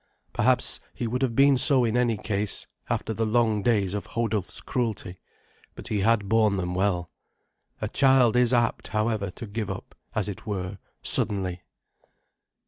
Perhaps he would have been so in any case, after the long days of Hodulf's cruelty, but he had borne them well. A child is apt, however, to give up, as it were, suddenly.